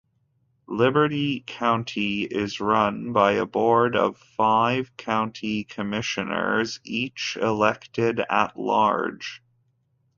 Liberty County is run by a board of five county commissioners, each elected at-large.